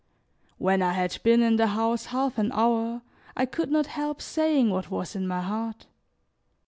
When I had been in the house half an hour, I could not help saying what was in my heart.